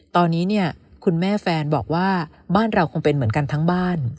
ตอนนี้เนี่ยคุณแม่แฟนบอกว่าบ้านเราคงเป็นเหมือนกันทั้งบ้าน